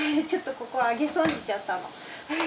ちょっとここを揚げそんじちゃったの。